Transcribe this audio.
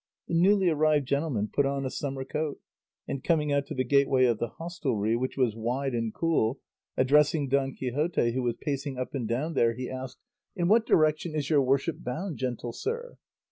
The newly arrived gentleman put on a summer coat, and coming out to the gateway of the hostelry, which was wide and cool, addressing Don Quixote, who was pacing up and down there, he asked, "In what direction is your worship bound, gentle sir?"